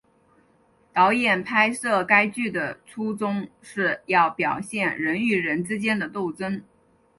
导演拍摄该剧的初衷是要表现人与人之间的斗争。